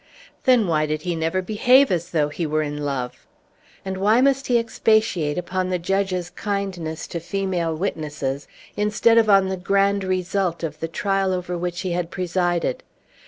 Then why did he never behave as though he were in love? And why must he expatiate upon the judge's kindness to the female witnesses, instead of on the grand result of the trial over which he had presided?